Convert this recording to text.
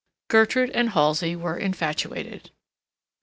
Gertrude and Halsey were infatuated.